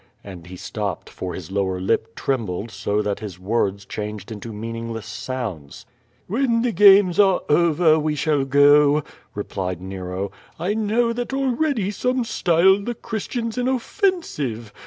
And he stopped, for his lower lip trembled so that his words changed into meaningless sounds. When the games are over we shall go,'' replied Nero. "I know that already some style the Christians inoffensive.